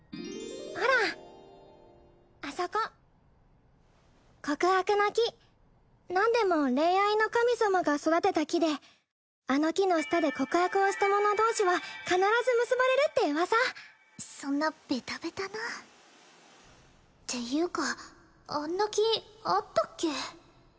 ほらあそこ告白の木なんでも恋愛の神様が育てた木であの木の下で告白をした者同士は必ず結ばれるって噂そんなベタベタなていうかあんな木あったっけ？